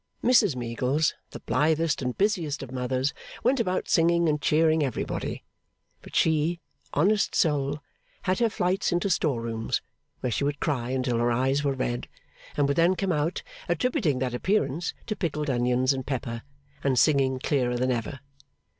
Mrs Meagles, the blithest and busiest of mothers, went about singing and cheering everybody; but she, honest soul, had her flights into store rooms, where she would cry until her eyes were red, and would then come out, attributing that appearance to pickled onions and pepper, and singing clearer than ever.